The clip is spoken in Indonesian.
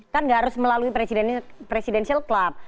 kan nggak harus melalui presidennya presidencil club